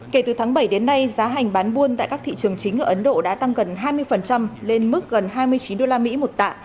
kể từ tháng bảy đến nay giá hành bán buôn tại các thị trường chính ở ấn độ đã tăng gần hai mươi lên mức gần hai mươi chín usd một tạ